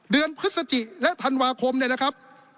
พฤศจิและธันวาคมเนี่ยนะครับ